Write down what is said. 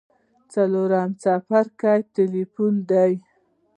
څلورم څپرکی تلقين دی.